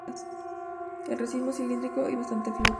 El racimo es cilíndrico y bastante flojo.